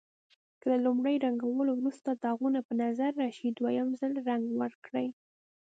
که له لومړي رنګولو وروسته داغونه په نظر راشي دویم ځل رنګ ورکړئ.